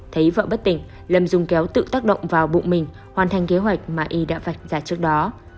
thấy vợ bất tỉnh lâm dùng kéo tự tác động vào bụng mình hoàn thành kế hoạch mà y đã vạch ra trước đó